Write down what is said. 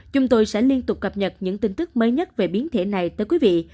chúng tôi sẽ liên tục cập nhật những tin tức mới nhất về biến thể này tới quý vị